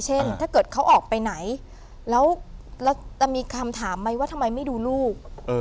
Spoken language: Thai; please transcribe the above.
ถ้าเกิดเขาออกไปไหนแล้วจะมีคำถามไหมว่าทำไมไม่ดูลูก